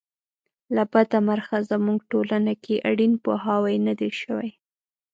له بده مرغه زموږ ټولنه کې اړین پوهاوی نه دی شوی.